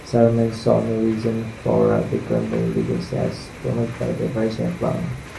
Sherman saw no reason for a bicameral legislature, as proposed by the Virginia Plan.